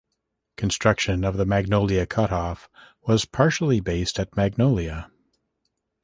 Construction of the Magnolia Cutoff was partially based at Magnolia.